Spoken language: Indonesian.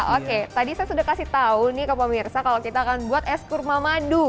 oke tadi saya sudah kasih tau nih ke pemirsa kalau kita akan buat es kurma madu